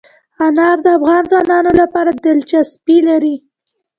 انار د افغان ځوانانو لپاره دلچسپي لري.